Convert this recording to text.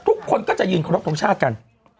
ทุกคนก็จะยืนครบทรงชาติกัน